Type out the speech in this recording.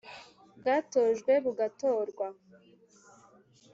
Bwatojwe bugatorwa